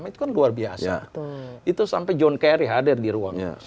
jadi kalau dia sudah naik dengan bagus